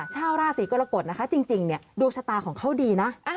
ชาวราศีกรกฎนะคะจริงเนี่ยดวงชะตาของเขาดีนะ